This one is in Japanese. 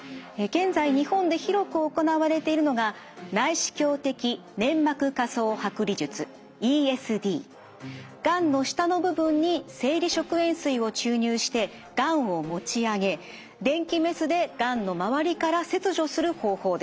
現在日本で広く行われているのががんの下の部分に生理食塩水を注入してがんを持ち上げ電気メスでがんの周りから切除する方法です。